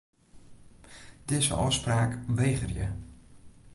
Dizze ôfspraak wegerje.